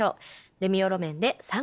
レミオロメンさん